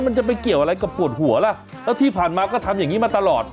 มันจะไปเกี่ยวอะไรกับปวดหัวล่ะแล้วที่ผ่านมาก็ทำอย่างนี้มาตลอด